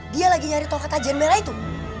dia lagi nyari tongkat tajam merah itu